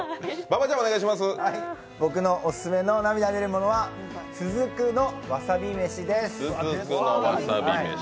僕のオススメの涙が出るものは、つず久のわさびめしです。